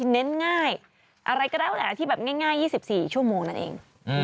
เน้นง่ายอะไรก็แล้วแต่ที่แบบง่าย๒๔ชั่วโมงนั่นเอง